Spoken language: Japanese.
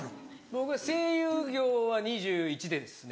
僕は声優業は２１ですね。